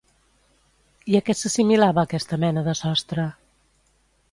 I a què s'assimilava aquesta mena de sostre?